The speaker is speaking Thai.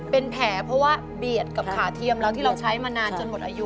เป็นแผลเพราะว่าเบียดกับขาเทียมแล้วที่เราใช้มานานจนหมดอายุ